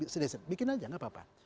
sedesit bikin saja nggak apa apa